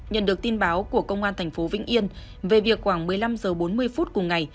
nhận được tin báo của công an tp vĩnh yên về việc khoảng một mươi năm h bốn mươi phút cùng ngày